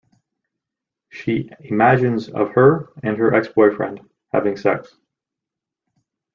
She imagines of her and her ex-boyfriend having sex.